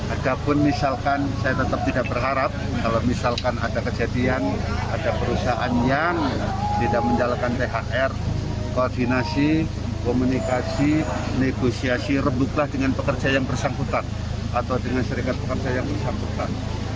ada pun misalkan saya tetap tidak berharap kalau misalkan ada kejadian ada perusahaan yang tidak menjalankan thr koordinasi komunikasi negosiasi rebutlah dengan pekerja yang bersangkutan atau dengan serikat pekerja yang bersangkutan